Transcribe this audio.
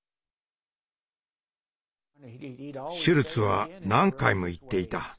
シュルツは何回も言っていた。